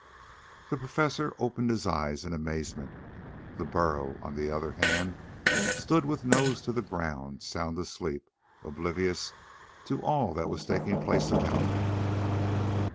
The Professor opened his eyes in amazement. The burro, on the other hand, stood with nose to the ground sound asleep, oblivious to all that was taking place about him.